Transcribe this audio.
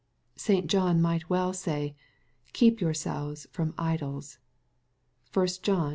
St. John might well say, "Keep yourselves from idols." (1 John v.